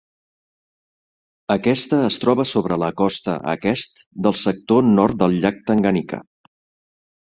Aquesta es troba sobre la costa aquest del sector nord del llac Tanganyika.